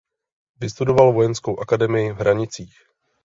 Vystudoval vojenskou akademii v Hranicích.